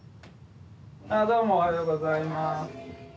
あどうもおはようございます。